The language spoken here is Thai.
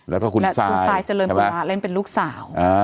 แล้วก็คุณซายเจริญปุระเล่นเป็นลูกสาว